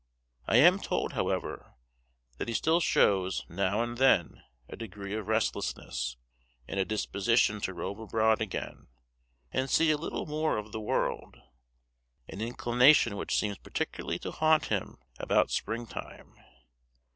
I am told, however, that he still shows, now and then, a degree of restlessness, and a disposition to rove abroad again, and see a little more of the world; an inclination which seems particularly to haunt him about spring time.